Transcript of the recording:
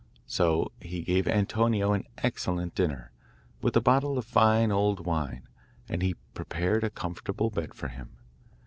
So he gave Antonio an excellent dinner, with a bottle of fine old wine, and prepared a comfortable bed for him.